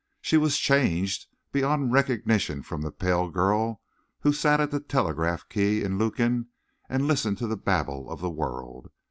She was changed beyond recognition from the pale girl who sat at the telegraph key in Lukin and listened to the babble of the world.